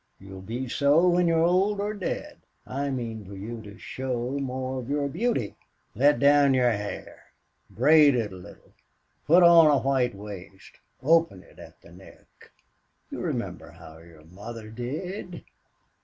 You'll be so when you're old or dead.... I mean for you to show more of your beauty.... Let down your hair. Braid it a little. Put on a white waist. Open it at the neck.... You remember how your mother did."